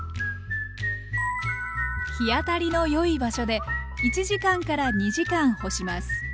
日当たりの良い場所で１時間から２時間干します。